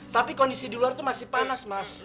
tapi kondisi di luar itu masih panas mas